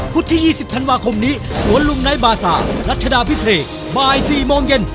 พฤทธิ์๒๐ธันวาคมนี้สวนลุ่มในบาสารัฐดาพิเศษบ่าย๔มเย็น